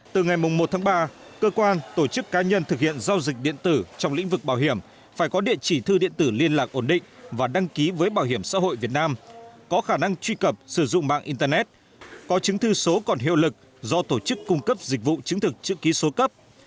từ ngày một tháng ba cơ quan tổ chức cá nhân thực hiện giao dịch điện tử trong lĩnh vực bảo hiểm phải có địa chỉ thư điện tử liên lạc ổn định và đăng ký với bảo hiểm xã hội việt nam có khả năng truy cập sử dụng mạng internet có chứng thư số còn hiệu lực do tổ chức cung cấp dịch vụ chứng thực chữ ký số cấp